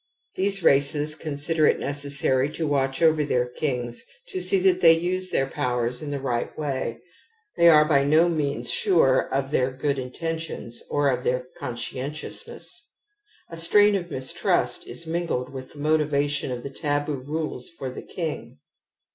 These races consider it necessary to watch over their kings to see that they use their powers in the right way ; they are by no means sure of their good intentions or of their conscientiousness. A strain of mistrust is mingled with the motiva tion of the taboo rules for the king.